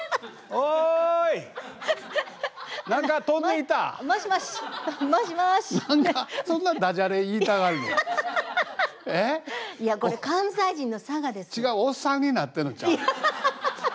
おっさんになってるんちゃう？